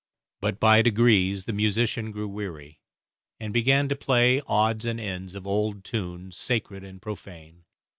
But by degrees the musician grew weary, and began to play odds and ends of old tunes, sacred and profane.